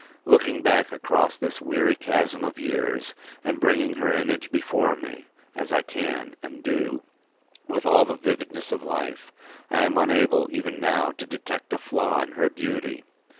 Looking back across this weary chasm of years, and bringing her image before me (as I can and do) with all the vividness of life, I am unable, even now, to detect a flaw in her beauty.